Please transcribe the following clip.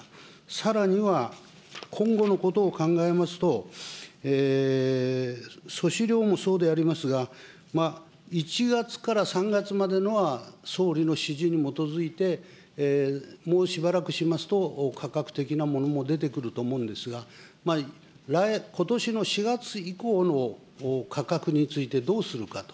さらには、今後のことを考えますと、粗飼料もそうでありますが、１月から３月までのは総理の指示に基づいて、もうしばらくしますと、価格的なものも出てくると思うんですが、ことしの４月以降の価格についてどうするかと。